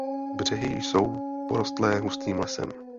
Břehy jsou porostlé hustým lesem.